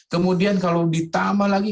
kemudian kalau ditambah lagi